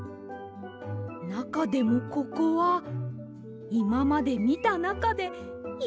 なかでもここはいままでみたなかでいちばんよさそうです！